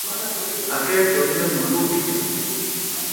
Àkhɛ́ étɔ lé mɛ́n nman nó bíjan.